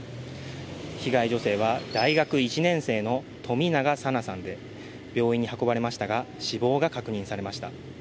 被害女性は大学１年生の冨永紗菜さんで、病院に運ばれましたが死亡が確認されました。